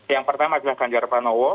yang pertama adalah ganjar pranowo